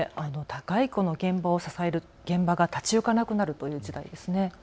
介護の現場を支える、現場が立ち行かなくなるかもしれないという事態ですね。